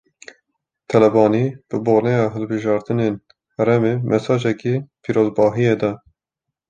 Talebanî bi boneya hilbijartinên herêmê, mesajeke pîrozbahiyê da